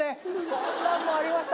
こんなんもありました。